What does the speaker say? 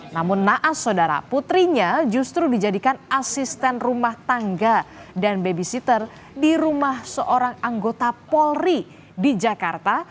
namun naas saudara putrinya justru dijadikan asisten rumah tangga dan babysitter di rumah seorang anggota polri di jakarta